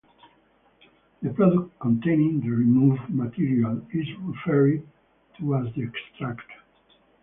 The product containing the removed materials is referred to as the extract.